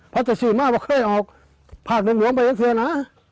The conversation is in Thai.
พระเจ้าสื่อมาว่าเคยเอาภาคหลวงไปจักรเสื้อนะ